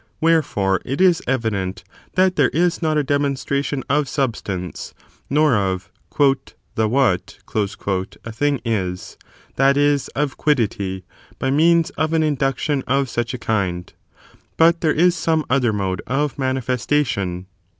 Wherefore, it is evident that there is not a demonstration of substance, nor of the what" a thing is, that is, of quiddity, by means of an induction of such a kind ; but there is some other mode of manifestation.